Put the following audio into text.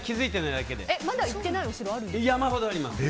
まだ行ってない城はありますか。